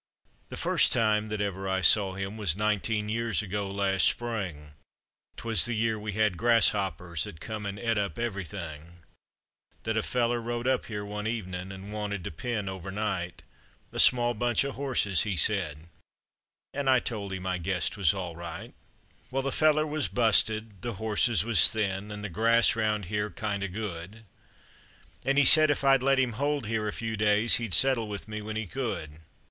The first time that ever I saw him was nineteen years ago last spring; 'Twas the year we had grasshoppers, that come an' et up everything, That a feller rode up here one evenin' an' wanted to pen over night A small bunch of horses, he said; an' I told him I guessed 'twas all right. Well, the feller was busted, the horses was thin, an' the grass round here kind of good, An' he said if I'd let him hold here a few days he'd settle with me when he could.